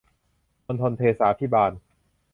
มณฑลเทศาภิบาล